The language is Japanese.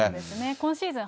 今シーズン